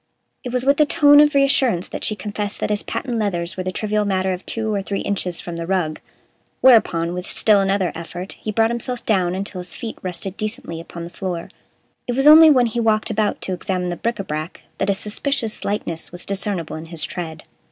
It was with a tone of reassurance that she confessed that his patent leathers were the trivial matter of two or three inches from the rug. Whereupon, with still another effort, he brought himself down until his feet rested decently upon the floor. It was only when he walked about to examine the bric Ã brac that a suspicious lightness was discernible in his tread.